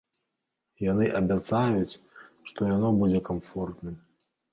Яны абяцаюць, што яно будзе камфортным.